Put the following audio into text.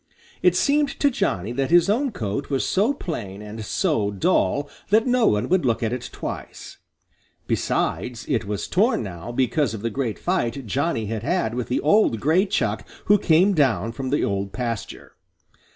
It seemed to Johnny that his own coat was so plain and so dull that no one would look at it twice. Besides, it was torn now, because of the great fight Johnny had had with the old gray Chuck who came down from the Old Pasture.